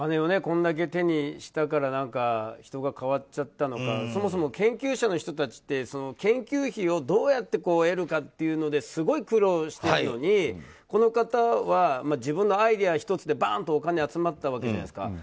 これだけ手にしたから人が変わっちゃったのかそもそも研究者の人たちって研究費をどうやって得るかというのですごい苦労してるのにこの方は、自分のアイデア１つでバンとお金が集まったわけじゃないですか。